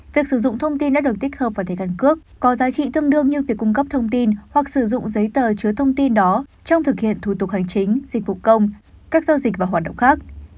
việc sử dụng thông tin đã được tích hợp vào thẻ căn cước có giá trị tương đương như việc cung cấp thông tin hoặc sử dụng giấy tờ chứa thông tin đó trong thực hiện thủ tục hành chính dịch vụ công các giao dịch và hoạt động khác